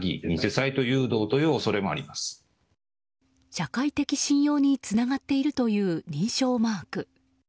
社会的信用につながっているという認証マーク。